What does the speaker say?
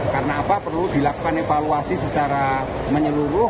karena apa perlu dilakukan evaluasi secara menyeluruh